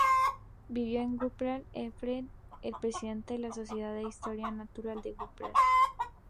Vivió en Wuppertal-Elberfeld y fue presidente de la Sociedad de Historia Natural de Wuppertal.